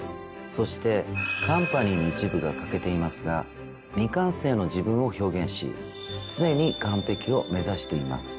そして「Ｃｏｍｐａｎｙ」の一部が欠けていますが「未完成の自分」を表現し常に完璧を目指しています。